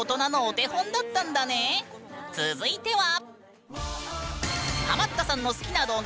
続いては。